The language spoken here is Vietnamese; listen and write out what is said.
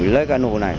lấy cano này